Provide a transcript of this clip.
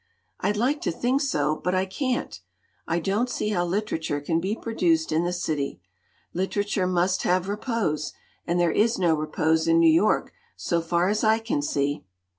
I'd like to think so, but I can't. I don't see how literature can be produced in the city. Literature must have repose, and there is no repose in New York so far as I can see.